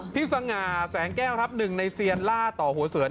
สง่าแสงแก้วครับหนึ่งในเซียนล่าต่อหัวเสือ